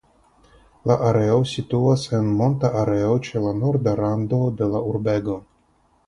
La areo situas en monta areo ĉe la norda rando de la urbego.